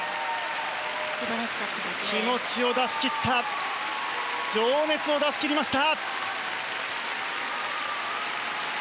気持ちを出しきった情熱を出しきりました。